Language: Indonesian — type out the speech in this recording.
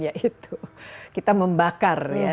ya itu kita membakar ya